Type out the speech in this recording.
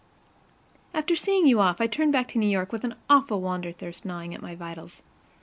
After seeing you off, I turned back to New York with an awful wander thirst gnawing at my vitals.